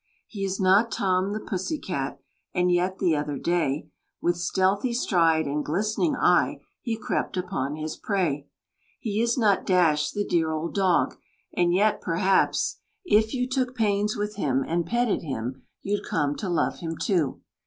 He is not Tom the pussy cat, And yet the other day, With stealthy stride and glistening eye, He crept upon his prey. He is not Dash the dear old dog, And yet, perhaps, if you Took pains with him and petted him, You'd come to love him too.